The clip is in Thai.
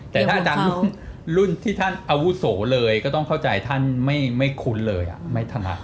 แต่ถ้าอาจารย์รุ่นที่ท่านอาวุโสเลยก็ต้องเข้าใจท่านไม่คุ้นเลยไม่ถนัด